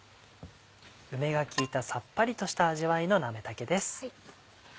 梅が効いたさっぱりとした味わいのなめたけです。